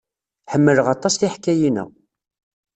Ḥemmleɣ aṭas tiḥkayin-a.